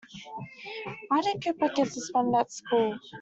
Why did Cooper get suspended at school?